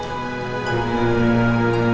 assalamualaikum warahmatullahi wabarakatuh